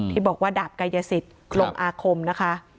ที่บอกว่าดาบกายสิทธิ์ลงอาคมนะคะ